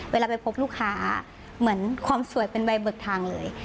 เวลาไปพบลูกค้าเหมือนความสวยเป็นใบเบิกทางเลย